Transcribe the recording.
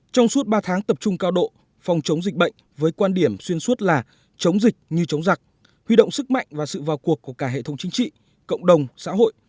trong suốt ba tháng tập trung cao độ phòng chống dịch bệnh với quan điểm xuyên suốt là chống dịch như chống giặc huy động sức mạnh và sự vào cuộc của cả hệ thống chính trị cộng đồng xã hội